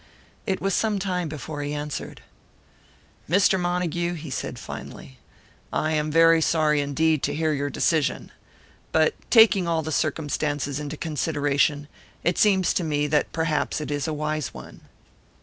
It was some time before he answered. "Mr. Montague," he said, finally, "I am very sorry indeed to hear your decision. But taking all the circumstances into consideration, it seems to me that perhaps it is a wise one."